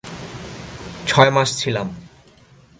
ছয় মাস ছিলাম।